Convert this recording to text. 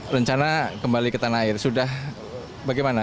rencana kembali ke tanah air sudah bagaimana